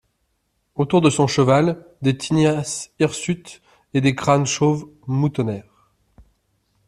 Autour de son cheval, des tignasses hirsutes et des crânes chauves moutonnèrent.